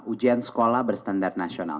ujian sekolah berstandar nasional